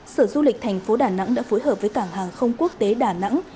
sở du lịch thành phố đà nẵng đã phối hợp với cảng hàng không quốc tế đà nẵng